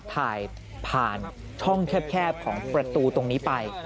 ถ่ายผ่านช่องแคบของประตูตรงนี้ไป